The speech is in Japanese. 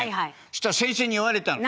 そしたら先生に言われたの。